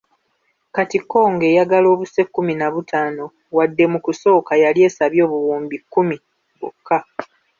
Kati Congo eyagala obuse kkumi na butaano wadde mu kusooka yali esabye obuwumbi kkumi bwokka.